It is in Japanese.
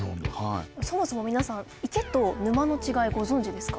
そもそも皆さん池と沼の違いご存じですか？